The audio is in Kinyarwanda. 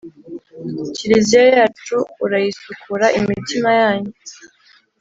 kiliziya yacu urayisukura imitima yanyu